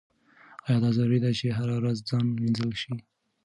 ایا دا ضروري ده چې هره ورځ ځان مینځل شي؟